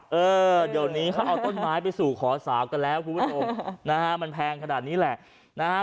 เออเดี๋ยวนี้เขาเอาต้นไม้ไปสู่ขอสาวกันแล้วคุณผู้ชมนะฮะมันแพงขนาดนี้แหละนะฮะ